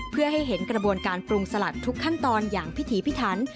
เพื่อให้เห็นกระบวนการปรุงสลัดทุกขั้นตอนอย่างพิถีพิถัน